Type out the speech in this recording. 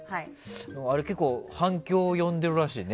あれ結構反響を呼んでるらしいね。